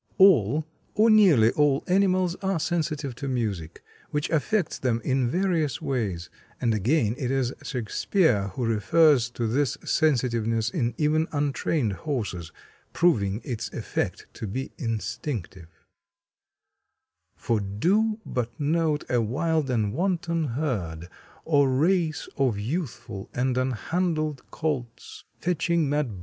All, or nearly all, animals are sensitive to music, which affects them in various ways, and again it is Shakespeare who refers to this sensitiveness in even untrained horses, proving its effect to be instinctive: For do but note a wild and wanton herd Or race of youthful and unhandled colts, Fetching mad?